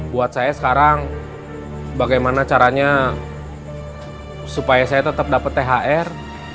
buat saya sekarang bagaimana caranya supaya saya tetap dapat thr